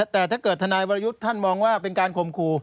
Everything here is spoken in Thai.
แต่ถ้าเกิดทนายวรยุทธ์ท่านมองว่าเป็นการข่มขู่